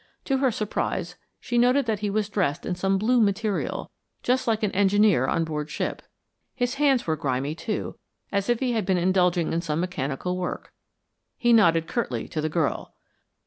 To her surprise she noted that he was dressed in some blue material, just like an engineer on board ship. His hands were grimy, too, as if he had been indulging in some mechanical work. He nodded curtly to the girl.